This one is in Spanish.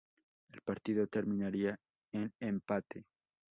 El partido terminaría en empate.